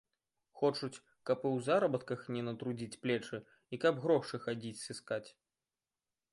Хочуць, каб і ў заработках не натрудзіць плечы і каб грошы хадзіць сыскаць.